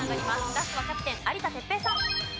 ラストはキャプテン有田哲平さん。